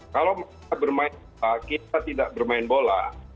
kalau mereka bermain bola kita tidak bermain bola